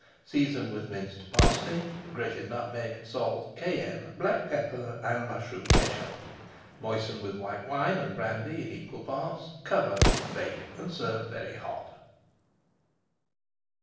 Season with minced parsley, grated nutmeg, salt, cayenne, black pepper, and mushroom catsup. Moisten with white wine and brandy in equal parts, cover, bake, and serve very hot.